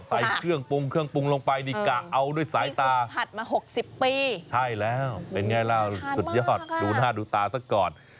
สุดยอดดูหน้าดูตาซะก่อน